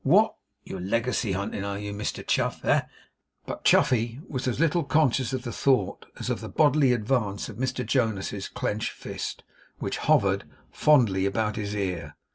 What! You're legacy hunting, are you, Mister Chuff? Eh?' But Chuffey was as little conscious of the thought as of the bodily advance of Mr Jonas's clenched fist, which hovered fondly about his ear.